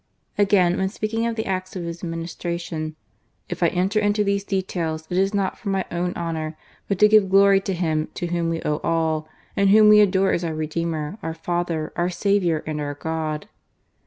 Again, when speaking of the acts of his adminis tration :" If I enter into these details, it is not ly own honour, but to give glory to Him to^ n we owe all, and Whom we adore as our „emer, our Father, our Saviour, and our God."